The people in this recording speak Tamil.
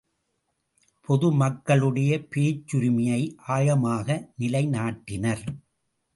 பொது மக்களுடைய பேச்சுரிமையை ஆழமாக நிலைநாட்டினர்.